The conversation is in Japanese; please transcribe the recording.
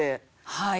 はい。